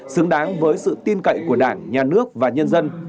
xứng đáng với sự tin cậy của đảng nhà nước và nhân dân